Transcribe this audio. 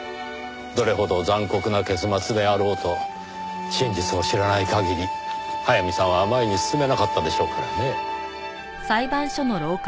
どれほど残酷な結末であろうと真実を知らない限り早見さんは前に進めなかったでしょうからね。